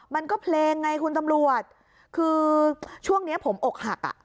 มันก็เพลงไงคุณตำรวจคือช่วงนี้ผมอกหักอ่ะ